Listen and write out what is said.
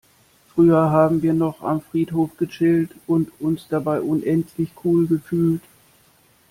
Früher haben wir noch am Friedhof gechillt und uns dabei unendlich cool gefühlt.